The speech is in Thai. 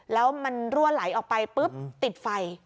แล้วมันรั่วไหลออกไปปุ๊บติดไฟ